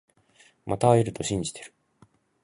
また会えると信じてる